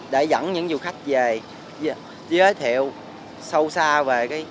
để dẫn những du khách về giới thiệu sâu xa về